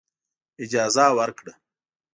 اجازه ورکړه.